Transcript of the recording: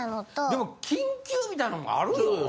でも緊急みたいのんあるよ。